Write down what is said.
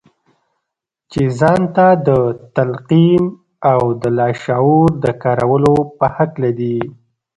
چې ځان ته د تلقين او د لاشعور د کارولو په هکله دي.